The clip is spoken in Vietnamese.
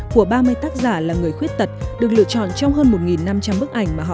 của ba mươi tác giả là người khuyết tật được lựa chọn trong hơn một năm trăm linh bức ảnh mà họ